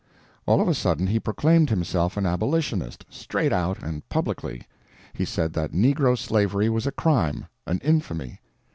All of a sudden he proclaimed himself an abolitionist—straight out and publicly! He said that negro slavery was a crime, an infamy.